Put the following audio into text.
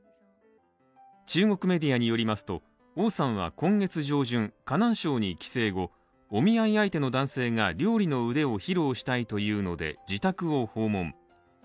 中国メディアによりますと、王さんは今月上旬、河南省に帰省後、お見合い相手の男性が料理の腕を披露したいというので、自宅を訪問。